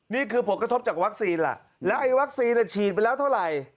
นี่คือผลกระทบจากวัคซีนล่ะแล้วไอ้วัคซีนฉีดไปแล้วเท่าไหร่